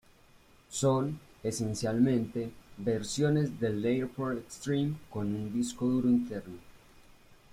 Son, esencialmente, versiones del AirPort Extreme con un disco duro interno.